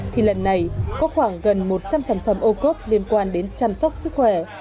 thì lần này có khoảng gần một trăm linh sản phẩm ô cốp liên quan đến chăm sóc sức khỏe